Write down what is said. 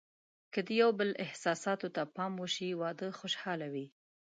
که د یو بل احساساتو ته پام وشي، واده خوشحاله وي.